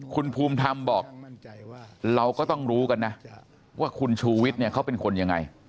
คุณภูมิธรรมบอกเราก็ต้องรู้กันนะว่าคุณชูวิทย์เนี่ยเขาเป็นคนยังไง